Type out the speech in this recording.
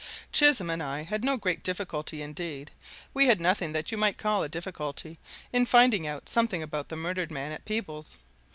Chisholm and I had no great difficulty indeed, we had nothing that you might call a difficulty in finding out something about the murdered man at Peebles.